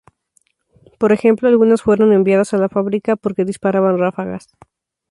Por ejemplo, algunas fueron enviadas a la fábrica porque disparaban ráfagas.